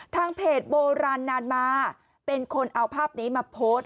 ทางเพจโบราณนานมาเป็นคนเอาภาพนี้มาโพสต์